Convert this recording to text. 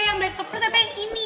yang black paper tapi yang ini ya